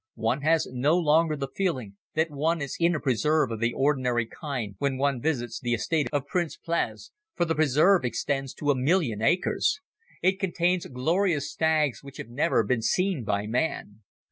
One has no longer the feeling that one is in a preserve of the ordinary kind when one visits the estate of Prince Pless, for the preserve extends to a million acres. It contains glorious stags which have never been seen by man.